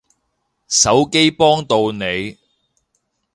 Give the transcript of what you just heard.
手機幫到你